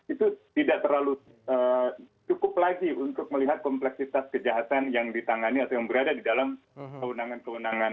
itu tidak terlalu cukup lagi untuk melihat kompleksitas kejahatan yang ditangani atau yang berada di dalam kewenangan kewenangan